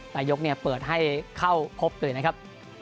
นายกเปิดให้เข้าพบเลยนะครับ